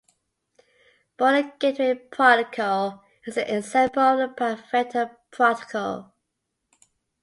Border Gateway Protocol is an example of a path vector protocol.